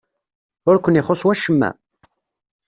Ur ken-ixuṣṣ wacemma?